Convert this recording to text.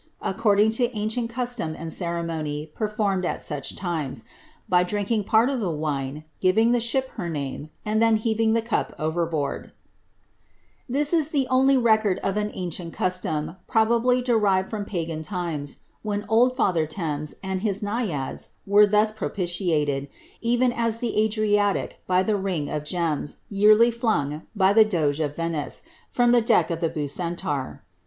nrcoriling to anrieni cusiom and ceremony performed at such times, by drinking part of the wine, giving the ship her name, and then heaving ihe cup overboard"' This is the only record of an anrient custom, probably derived from pagan limes, wiien old Father Thames and his naiads were thus propi tiated, even as the Adrinilc bv the ring of gems, vearlv llnng. bv a di«e of Venice, from tlie deck of the Bureniaur.